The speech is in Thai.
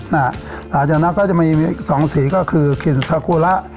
หลังจากนั้นก็จะมีสองสีก็คือกลิ่นสาคูระ